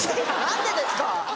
何でですか！